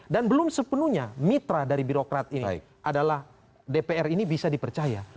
dan belum sepenuhnya mitra dari birokrat ini adalah dpr ini bisa dipercaya